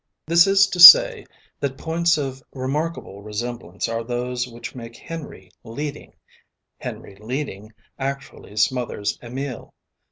This is to say that points of remarkable resemblance are those which make Henry leading. Henry leading actually smothers Emil.